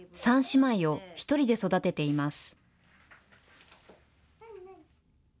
３姉妹を１人で育てています。